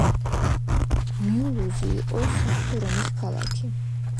მიულუზი იყო საღვთო რომის ქალაქი.